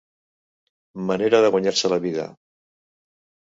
Manera de guanyar-se la vida.